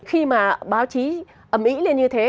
khi mà báo chí ẩm ĩ lên như thế